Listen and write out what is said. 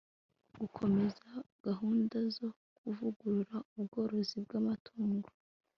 gukomeza gahunda zo kuvugurura ubworozi bw'amatungo